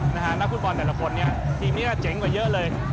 นักฟุตบอลแต่ละคนเนี่ยทีมนี้เจ๋งกว่าเยอะเลย